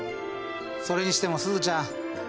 それにしてもすずちゃん